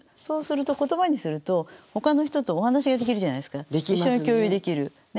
そうすると言葉にするとほかの人とお話ができるじゃないですか。